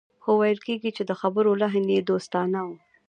خو ويل کېږي چې د خبرو لحن يې دوستانه و.